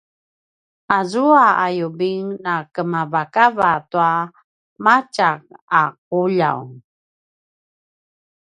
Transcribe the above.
azua a yubing nakemavakava tua matjak a ’uljav